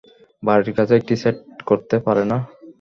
বাড়ির কাছে একটি সেট করতে পারেনা?